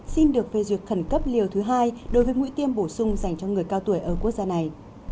xin được phê duyệt khẩn cấp liều thứ hai đối với mũi tiêm bổ sung dành cho người cao tuổi ở quốc gia này